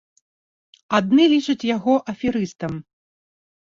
Адны лічаць яго аферыстам.